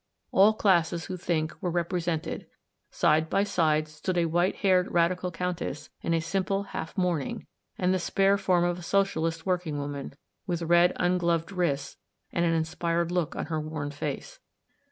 All classes who think were repre sented. Side by side stood a white haired Radical countess in simple half mourning and the spare form of a Socialist working woman, with red, ungloved wrists and an inspired look on her worn face.